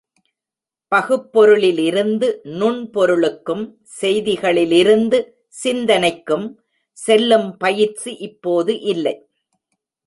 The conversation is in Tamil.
பகுப்பொருளிலிருந்து நுண்பொருளுக்கும் செய்திகளிலிருந்து சிந்தனைக்கும் செல்லும் பயிற்சி இப்போது இல்லை.